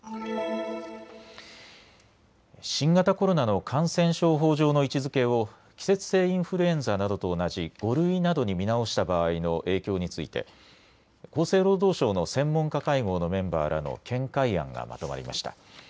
新型コロナの感染症法上の位置づけを季節性インフルエンザなどと同じ５類などに見直した場合の影響について厚生労働省の専門家会合のメンバーらの見解案がまとまりました。